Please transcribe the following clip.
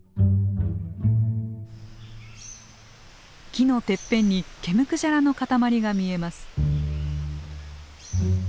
木のてっぺんに毛むくじゃらの塊が見えます。